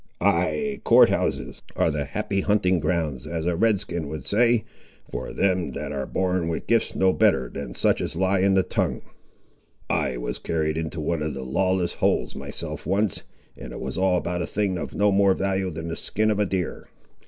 "Ay, court houses are the 'happy hunting grounds,' as a Red skin would say, for them that are born with gifts no better than such as lie in the tongue. I was carried into one of the lawless holes myself once, and it was all about a thing of no more value than the skin of a deer.